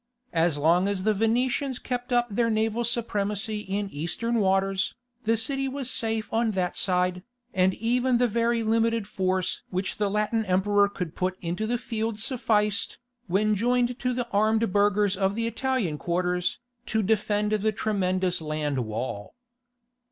As long as the Venetians kept up their naval supremacy in Eastern waters, the city was safe on that side, and even the very limited force which the Latin emperor could put into the field sufficed, when joined to the armed burghers of the Italian quarters, to defend the tremendous land wall.